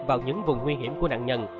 vào những vùng nguy hiểm của nạn nhân